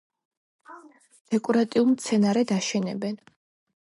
დეკორატიულ მცენარედ აშენებენ.